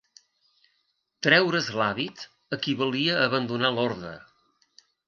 Treure's l'hàbit equivalia a abandonar l'ordre.